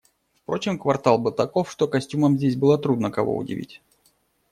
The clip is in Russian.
Впрочем, квартал был таков, что костюмом здесь было трудно кого-нибудь удивить.